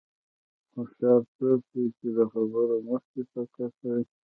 هوښیار څوک دی چې د خبرو مخکې فکر کوي.